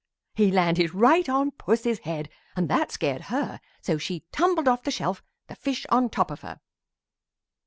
"He landed right on Puss's head and that scared her so she tumbled off the shelf, the fish on top of her.